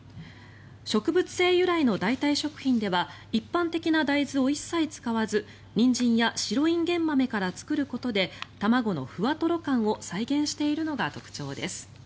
植物性由来の代替食品では一般的な大豆を一切使わずニンジンやシロインゲンマメから作ることで卵のふわとろ感を再現しているのが特徴です。